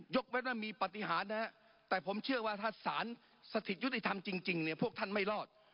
เว้นว่ามีปฏิหารนะฮะแต่ผมเชื่อว่าถ้าสารสถิตยุติธรรมจริงเนี่ยพวกท่านไม่รอด